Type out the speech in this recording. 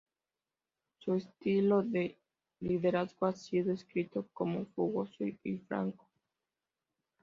Su estilo de liderazgo ha sido descrito como "fogoso y franco".